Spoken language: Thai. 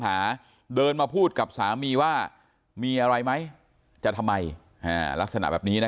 หาเดินมาพูดกับสามีว่ามีอะไรไหมจะทำไมลักษณะแบบนี้นะ